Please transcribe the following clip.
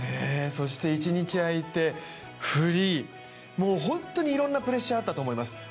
そして一日空いてフリー、本当にいろいろなプレッシャーがあったと思います。